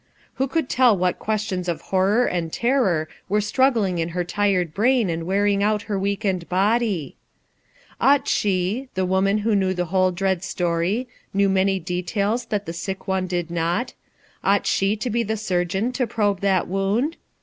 Wk„ tell what questions of honor and terror » struggling in her tired brain and wearing 0ut her weakened body ? Ought she — the woman who knew the whoh dread story, knew many details that the sick one did not — ought she to be the surgeon to probe that wound?